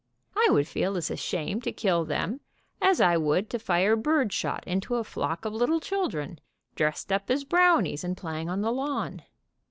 I would feel as ashamed to kill them as I would to fire bird shot into a flock of little children, dressed up as brownies, and playing on the lawn.